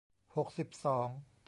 หกสิบสอง